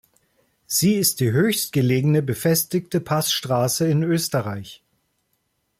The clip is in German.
Sie ist die höchstgelegene befestigte Passstraße in Österreich.